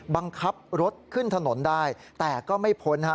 บังคับรถขึ้นถนนได้แต่ก็ไม่พ้นฮะ